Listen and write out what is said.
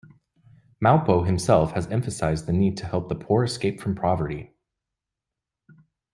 Moupo himself has emphasized the need to help the poor escape from poverty.